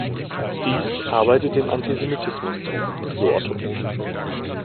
Dies arbeite dem Antisemitismus zu, so Otto.